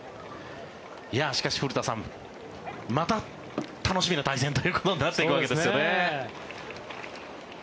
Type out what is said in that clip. しかし古田さんまた楽しみな対戦ということになっていくわけですよね。